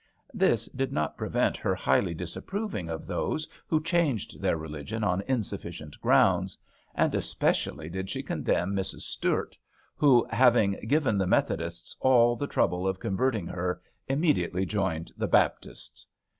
This did not prevent her highly disapproving of those who changed their religion on in sufficient grounds ; and especially did she condemn Mrs. Sturt, who, having given 43 HAMPSHIRE VIGNETTES the Methodists all the trouble of converting her, immediately joined the Baptists.